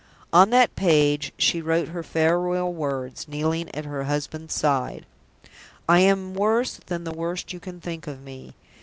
On that page she wrote her farewell words, kneeling at her husband's side. "I am worse than the worst you can think of me.